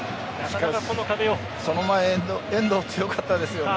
その前の遠藤強かったですよね。